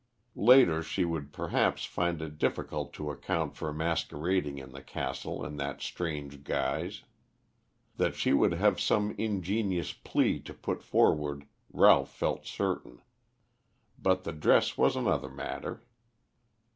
Later she would perhaps find it difficult to account for masquerading in the castle in that strange guise. That she would have some ingenious plea to put forward Ralph felt certain. But the dress was another matter.